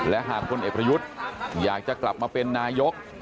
และหากพลเอกประยุทธ์อยากจะกลับมาเป็นนายก